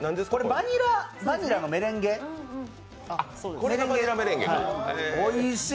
バニラのメレンゲ、おいしい。